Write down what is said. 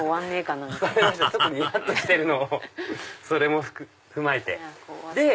それも踏まえて。